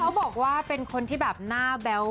เขาบอกว่าเป็นคนที่แบบหน้าแบ๊ว